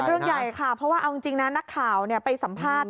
เรื่องใหญ่ค่ะเพราะว่าเอาจริงนะนักข่าวไปสัมภาษณ์